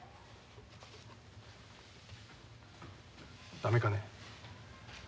駄目かね。